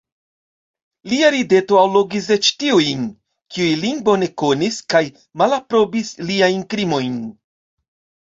Lia rideto allogis eĉ tiujn, kiuj lin bone konis kaj malaprobis liajn krimojn.